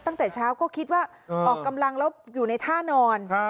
ตั้งแต่เช้าก็คิดว่าออกกำลังแล้วอยู่ในท่านอน